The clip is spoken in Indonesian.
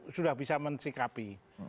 sudah bisa mensikapi